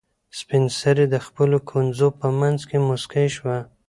سپین سرې د خپلو ګونځو په منځ کې موسکۍ شوه.